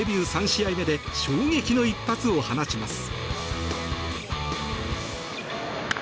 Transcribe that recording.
３試合目で衝撃の一発を放ちます。